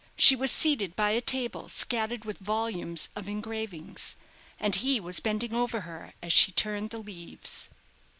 She was seated by a table scattered with volumes of engravings, and he was bending over her as she turned the leaves.